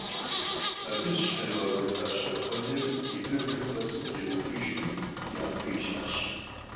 Абы зыщхьэригъэкӀуэта щхьэрыхъуэныр и пэбгым къэсу кърикъухыжри, япэ ищащ.